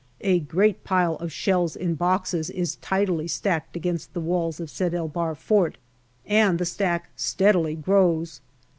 A great pile of shells in boxes is tidily stacked against the walls of Sed el Bahr fort, and the stack steadily grows.